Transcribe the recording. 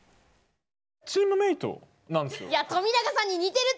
チームメートなんですよ。